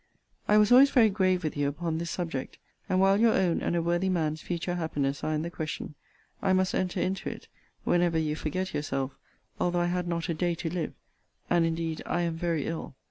I was always very grave with you upon this subject: and while your own and a worthy man's future happiness are in the question, I must enter into it, whenever you forget yourself, although I had not a day to live: and indeed I am very ill.